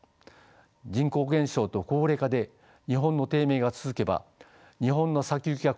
人口減少と高齢化で日本の低迷が続けば日本の先行きが暗いと考え